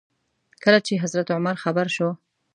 کله چې حضرت عمر خبر شو.